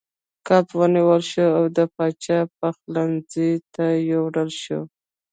کب ونیول شو او د پاچا پخلنځي ته یووړل شو.